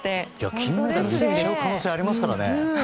金メダルいっちゃう可能性ありますからね。